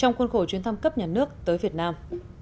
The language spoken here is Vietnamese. trong khuôn khổ chuyến thăm cấp nhà nước tới việt nam